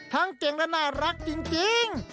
เก่งและน่ารักจริง